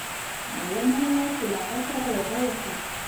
ما ومنله چې له هغه سره واده وکړم.